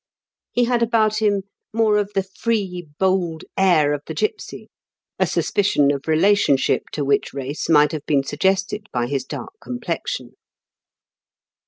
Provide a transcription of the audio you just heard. He had about him more of the free, bold air of the gipsy, a suspicion of relationship to which 122 IJSr KENT WITS OHABLES DICKENS. race might have been suggested by his dark complexion.